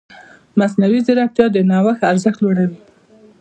مصنوعي ځیرکتیا د نوښت ارزښت لوړوي.